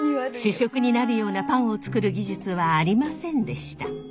主食になるようなパンを作る技術はありませんでした。